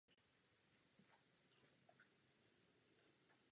Pohřeb se konal v Mimoni.